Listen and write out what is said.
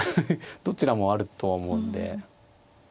どちらもあるとは思うんで。